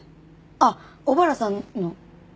あっ小原さんの。